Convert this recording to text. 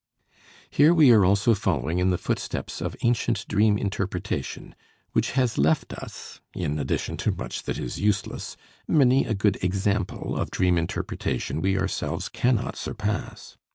Here we are also following in the footsteps of ancient dream interpretation, which has left us, in addition to much that is useless, many a good example of dream interpretation we ourselves cannot surpass.